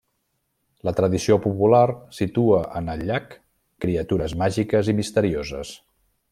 La tradició popular situa en el llac criatures màgiques i misterioses.